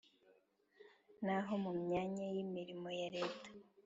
naho mu myanya y’imirimo ya reta